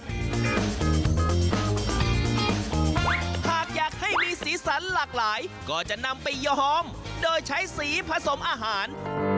หากอยากให้มีสีสันหลากหลายก็จะนำไปยอมโดยใช้สีผสมอาหาร